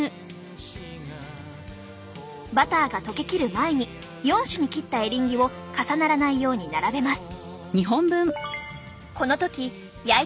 バターが溶けきる前に４種に切ったエリンギを重ならないように並べます。